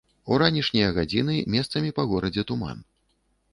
У ранішнія гадзіны месцамі па горадзе туман.